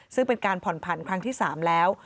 ซึ่งเป็นการผ่อนผันครั้งที่๓แล้ว